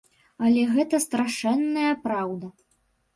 Але гэта страшэнная праўда.